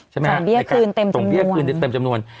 ส่งเบี้ยคืนได้เต็มจำนวน